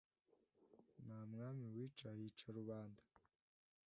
Nta mwami wica, hica rubanda.